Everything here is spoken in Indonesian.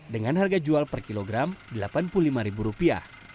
dengan harga jual per kilogram delapan puluh lima rupiah